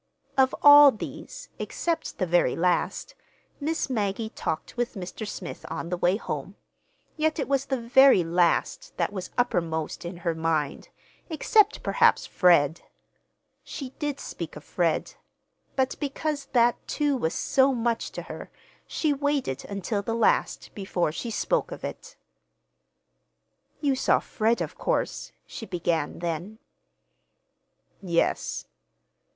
Of all these, except the very last, Miss Maggie talked with Mr. Smith on the way home—yet it was the very last that was uppermost in her mind, except perhaps, Fred. She did speak of Fred; but because that, too, was so much to her, she waited until the last before she spoke of it. "You saw Fred, of course," she began then. "Yes."